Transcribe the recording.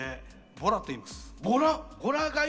ボラと言います。